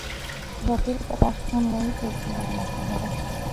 রথির কথা শুনলেই তোর জীবন নষ্ট হবে।